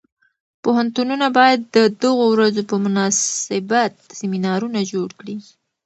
پوهنتونونه باید د دغو ورځو په مناسبت سیمینارونه جوړ کړي.